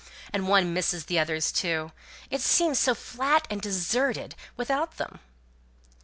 And one misses the others too! It seems so flat and deserted without them!"